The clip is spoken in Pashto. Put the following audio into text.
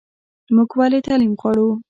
موږ ولې تعلیم غواړو؟